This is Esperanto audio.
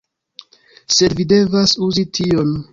Sed vi devas uzi tion